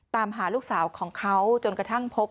ตามหาลูกสาวของเขาจนกระทั่งพบ